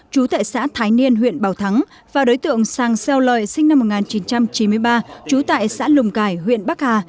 chú tại xã thái niên huyện bảo thắng và đối tượng sang xeo lợi sinh năm một nghìn chín trăm chín mươi ba trú tại xã lùng cải huyện bắc hà